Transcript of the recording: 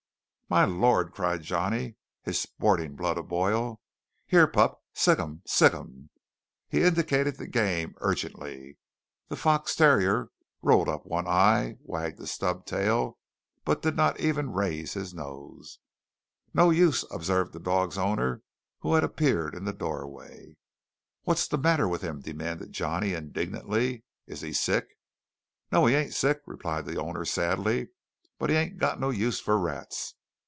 "My Lord!" cried Johnny, his sporting blood aboil. "Here, pup, sic 'em! sic 'em!" He indicated the game urgently. The fox terrier rolled up one eye, wagged his stub tail but did not even raise his nose. "No use," observed the dog's owner, who had appeared in the doorway. "What's the matter with him?" demanded Johnny indignantly; "is he sick?" "No, he ain't sick," replied the owner sadly; "but he ain't got no use for rats.